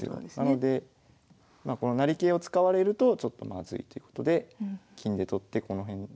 なのでこの成桂を使われるとちょっとまずいということで金で取ってこの辺ブロックしていますね。